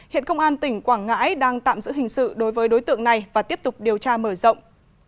hiện công an tỉnh quảng ngãi đang tạm giữ hình sự đối với đối tượng này và tiếp tục điều tra mở rộng